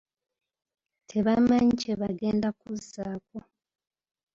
Tebamanyi kye bagenda kuzzaako.